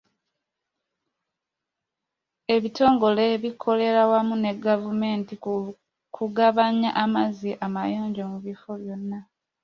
Ebitongole bikolera wamu ne gavumneti mu kugabanya amazzi amayonjo mu bifo byonna.